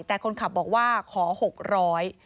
แต่คนขับบอกว่าขอ๖๐๐บาท